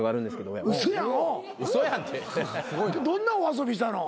どんなお遊びしたの？